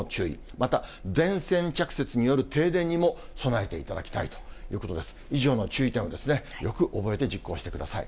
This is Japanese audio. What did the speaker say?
また、電線着雪による停電にも備えていただきたいということです。